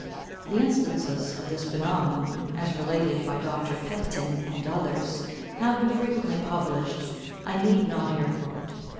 The instances of this phenomenon, as related by Dr. Petetin and others, having been frequently published, I need not here quote.